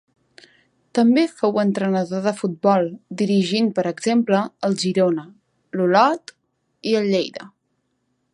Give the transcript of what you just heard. També fou entrenador de futbol, dirigint per exemple al Girona, a l'Olot i al Lleida.